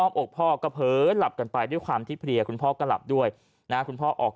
อกพ่อก็เผลอหลับกันไปด้วยความที่เพลียคุณพ่อก็หลับด้วยนะคุณพ่อออก